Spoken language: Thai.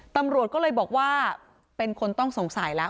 ตำรวจก็เลยบอกว่าเป็นคนต้องสงสัยแล้ว